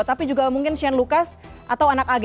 tapi juga mungkin shane lucas atau anak ag